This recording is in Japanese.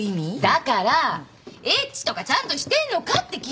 だからエッチとかちゃんとしてんのかって聞いてんの！